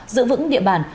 giữ vững địa bàn